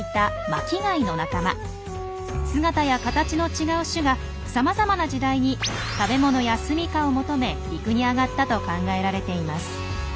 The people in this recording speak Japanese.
姿や形の違う種がさまざまな時代に食べ物や住みかを求め陸に上がったと考えられています。